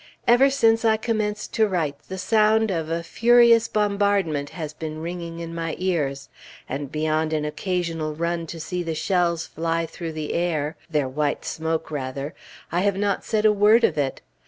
Ever since I commenced to write, the sound of a furious bombardment has been ringing in my ears; and beyond an occasional run to see the shells fly through the air (their white smoke, rather) I have not said a word of it.